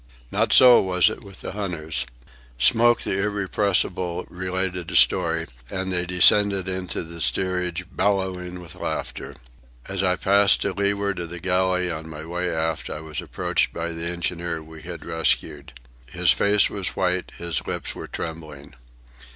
Not so was it with the hunters. Smoke the irrepressible related a story, and they descended into the steerage, bellowing with laughter. As I passed to leeward of the galley on my way aft I was approached by the engineer we had rescued. His face was white, his lips were trembling.